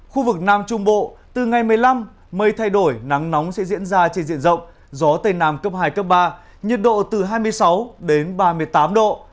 khu vực nam trung bộ từ ngày một mươi năm mây thay đổi nắng nóng sẽ diễn ra trên diện rộng gió tây nam cấp hai cấp ba nhiệt độ từ hai mươi sáu ba mươi tám độ